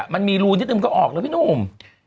มันมีรูนิดนึงเขาออกนี่พี่หนุ่ม